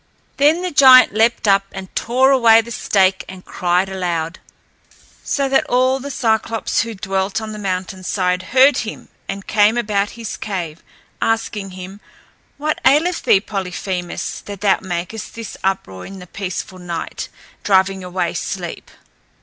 Then the giant leapt up and tore away the stake and cried aloud, so that all the Cyclopes who dwelt on the mountain side heard him and came about his cave, asking him, "What aileth thee, Polyphemus, that thou makest this uproar in the peaceful night, driving away sleep?